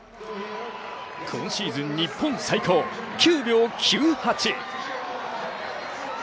今シーズン日本最高、９秒９８。